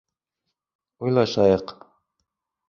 Уйлашайыҡ.